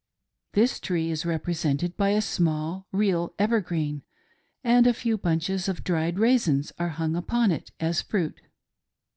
This tree is repre sented by a small real evergreen, and a few bunches of dried raisins afe hung upon it as fruit.